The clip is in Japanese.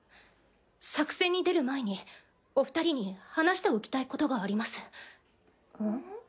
作戦に出る前にお二人に話しておきたいことがあります。